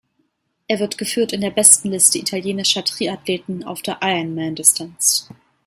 Er wird geführt in der Bestenliste italienischer Triathleten auf der Ironman-Distanz.